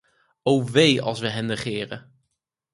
O wee als wij hen negeren!